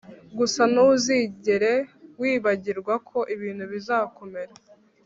gusa ntuzigere wibagirwa ko ibintu bizakomera